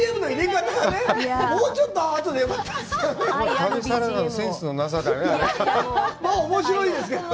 もうちょっとあとでよかったですよね。